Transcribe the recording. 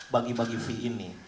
bagi bagi v ini